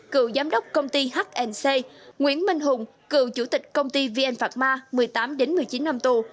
cựu giám đốc công ty hnc nguyễn minh hùng cựu chủ tịch công ty vn phạc ma một mươi tám một mươi chín năm tù